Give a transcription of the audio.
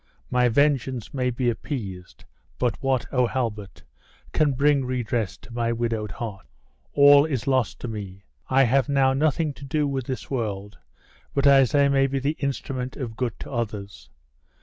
My vengeance may be appeased; but what, O Halbert, can bring redress to my widowed heart? All is lost to me; I have now nothing to do with this world, but as I may be the instrument of good to others!